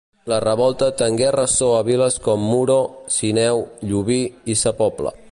La revolta tengué ressò a viles com Muro, Sineu, Llubí i sa Pobla.